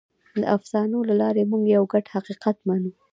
د افسانو له لارې موږ یو ګډ حقیقت منو.